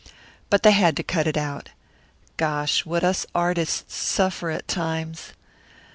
But they had to cut it out. Gosh, what us artists suffer at times!